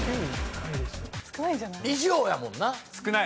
以上やもんな。